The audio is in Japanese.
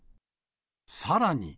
さらに。